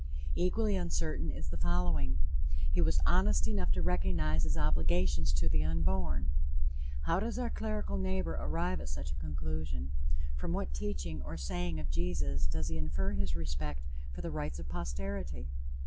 Equally uncertain is the following: "He was honest enough to recognize his obligations to the unborn." How does our clerical neighbor arrive at such a conclusion? From what teaching or saying of Jesus does he infer his respect for the rights of posterity?